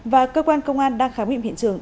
và cơ quan công an đang khám nghiệm hiện trường